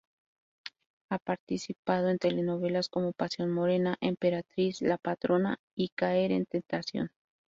Ha participado en telenovelas como "Pasión morena", "Emperatriz", "La patrona" y "Caer en tentación".